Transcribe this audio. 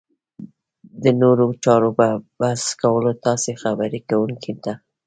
د نورو چارو په بس کولو تاسې خبرې کوونکي ته